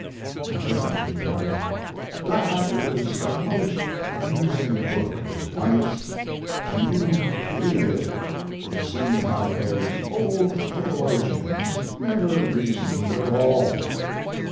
And presently he added: "That is a most amusing book of White's. When you read it you see how those old theologians never reasoned at all.